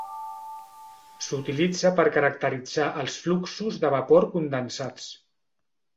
S'utilitza per caracteritzar els fluxos de vapor condensats.